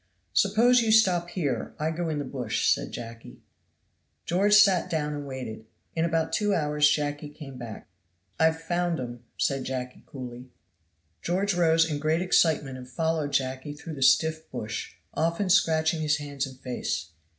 "Suppose you stop here, I go in the bush," said Jacky. George sat down and waited. In about two hours Jacky came back. "I've found 'em," said Jacky coolly. George rose in great excitement and followed Jacky through the stiff bush, often scratching his hands and face.